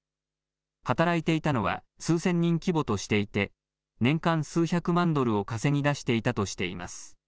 働いていたのは数千人規模としていて年間数百万ドルを稼ぎ出していたとしています。